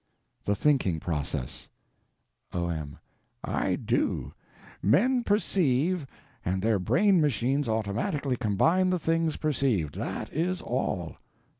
The Thinking Process O.M. I do. Men perceive, and their brain machines automatically combine the things perceived. That is all.